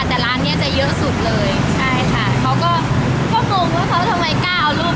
แต่ร้านเนี้ยจะเยอะสุดเลยใช่ค่ะเขาก็ก็งงว่าเขาทำไมกล้าเอารูป